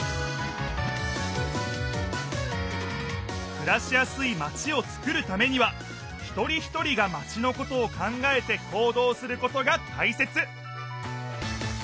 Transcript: くらしやすいまちをつくるためにはひとりひとりがまちのことを考えて行どうすることが大切！